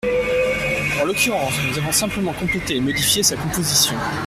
En l’occurrence, nous avons simplement complété et modifié sa composition.